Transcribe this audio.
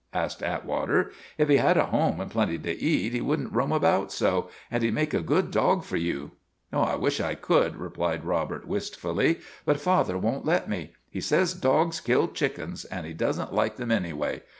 asked Atwater. "If he had a home and plenty to eat, he would n't roam about so, and he 'd make a good dog for you." 'I wish I could," replied Robert wistfully; "but father won't let me. He says dogs kill chickens, and he does n't like them anyway.